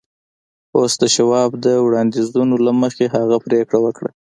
اوس د شواب د وړانديزونو له مخې هغه پرېکړه وکړه.